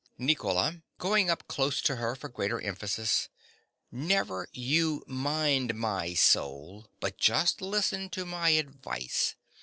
NICOLA. (going up close to her for greater emphasis). Never you mind my soul; but just listen to my advice.